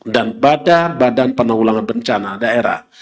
dan badan badan penulangan bencana daerah